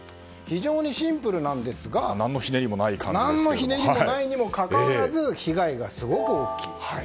非常にシンプルなんですが何のひねりもないにもかかわらず被害がすごく大きい。